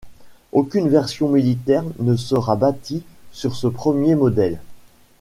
Aucune version militaire ne sera bâtie sur ce premier modèle.